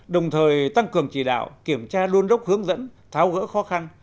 đồng thời tăng cường chỉ đạo kiểm tra đôn đốc hướng dẫn tháo gỡ khó khăn